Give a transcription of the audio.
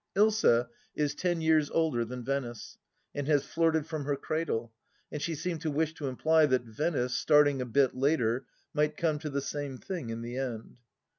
Ilsa is ten years older than Venice, and has flirted from her cradle, and she seemed to wish to imply that Venice, starting a bit later, might come to the same thing in the end.